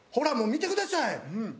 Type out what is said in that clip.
見てください。